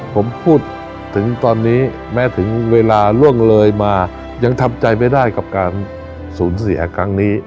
ผมพูดถึงตอนนี้แม้ถึงเวลาล่วงเลยมายังทำใจไม่ได้กับการสูญเสียครั้งนี้